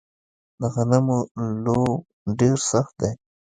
د غنمو لوو ډیر سخت دی